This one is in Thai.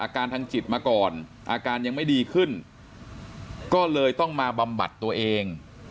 ก็เลยต้องมาบำบัดตัวเอง